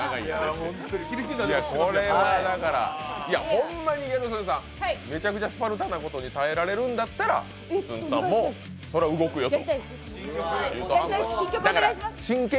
ホンマにギャル曽根さん、めちゃくちゃスパルタなことに耐えられるんやったらつんく♂さんも動くよと。